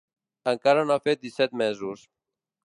Encara no ha fet disset mesos.